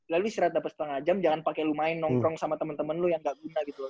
lalu istirahat dapat setengah jam jangan pakai lu main nongkrong sama temen temen lu yang gak guna gitu loh